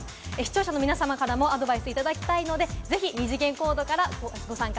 視聴者の皆さまからもアドバイスいただきたいので、ぜひ二次元コードからご参加